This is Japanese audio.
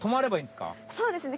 そうですね。